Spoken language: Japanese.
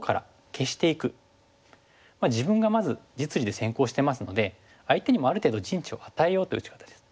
自分がまず実利で先行してますので相手にもある程度陣地を与えようという打ち方です。